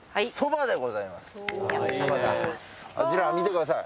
あちら見てください。